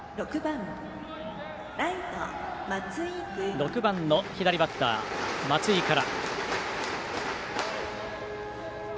６番の左バッター、松井から。